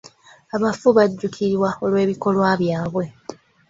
Abafu bajjukirwa olw'ebikolwa byabwe.